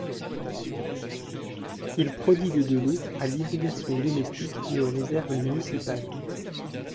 Il prodigue de l'eau à l'irrigation domestique et aux réserves municipales.